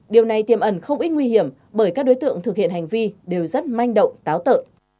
điều này tiêm ẩn không ít nguy hiểm bởi các đối tượng thực hiện hành vi đều rất manh động táo tợ